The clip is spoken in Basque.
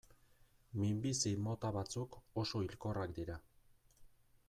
Minbizi mota batzuk oso hilkorrak dira.